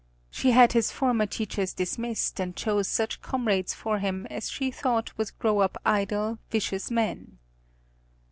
She had his former teachers dismissed and chose such comrades for him as she thought would grow up idle, vicious men.